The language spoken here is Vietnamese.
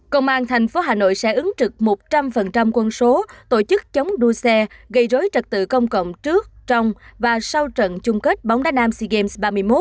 công an thành phố hà nội sẽ ứng trực một trăm linh quân số tổ chức chống đua xe gây rối trật tự công cộng trước trong và sau trận chung kết bóng đá nam sea games ba mươi một